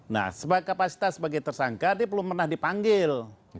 nah sebagai kapasitas sebagai tersangka dia belum pernah dipanggil